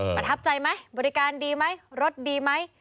ประทับใจไหมบริการดีไหมรถดีไหม